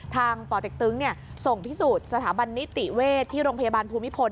ป่อเต็กตึงส่งพิสูจน์สถาบันนิติเวชที่โรงพยาบาลภูมิพล